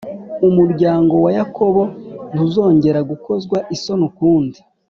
Umuryango wa Yakobo ntuzongera gukozwa isoni ukundi,